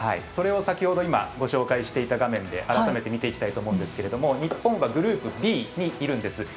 それを先ほどご紹介していた画面で改めて見ていきたいと思うんですが日本はグループＢにいるんです。